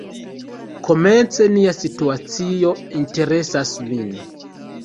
Komence nia situacio interesas min.